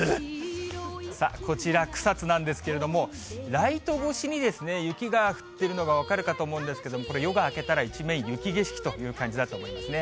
さあ、こちら、草津なんですけれども、ライト越しに雪が降ってるのが分かるかと思うんですが、これ、夜が明けたら一面雪景色という感じだと思いますね。